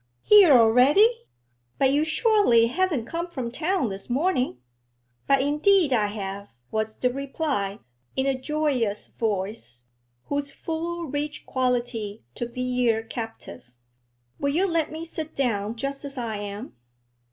'Here already! But you surely haven't come from town this morning?' 'But indeed I have,' was the reply, in a joyous voice, whose full, rich quality took the ear captive. 'Will you let me sit down just as I am?